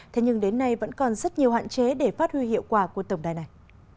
thế nhưng đến nay vẫn còn rất nhiều hạn chế để phát huy hiệu quả của tổng đài này